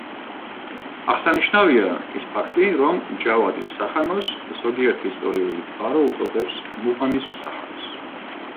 აღსანიშნავია, ის ფაქტი, რომ ჯავადის სახანოს, ზოგიერთი ისტორიული წყარო უწოდებს მუღანის სახანოს.